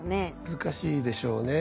難しいでしょうね。